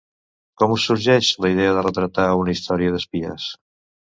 Com us sorgeix la idea de retratar una història d’espies?